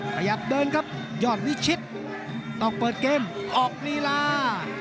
ขยับเดินครับยอดวิชิตต้องเปิดเกมออกลีลา